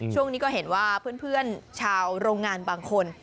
ช่วงนี้ก็เห็นว่าเพื่อนชาวโรงงานบางคน